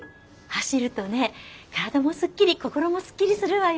走るとね体もすっきり心もすっきりするわよ。